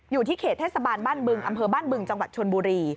อยู่ที่เขตเทศบาลบ้านบึงอำเภอบ้านบึงจังหวัดชนบุรี